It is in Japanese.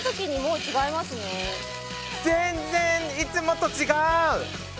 全然いつもとちがう！